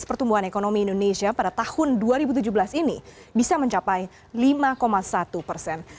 pertumbuhan ekonomi indonesia pada tahun dua ribu tujuh belas ini bisa mencapai lima satu persen